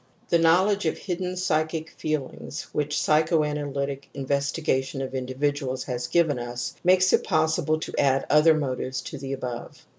The knowledge of hidden psychic feelings which psychoanalytic investigation of indi viduals has given us, makes it possible to add other motives to the above.